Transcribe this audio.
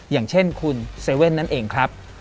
อย่างเช่นคุณเซเว่นนั่นเองครับ